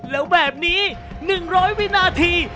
แล้วแบบนี้๑๐๐วินาที